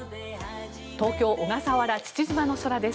東京小笠原・父島の空です。